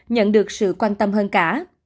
nhận được sự quan tâm hơn cả